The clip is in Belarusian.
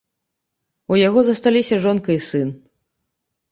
У яго засталіся жонка і сын.